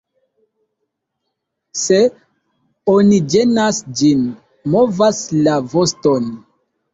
Se oni ĝenas ĝin, movas la voston.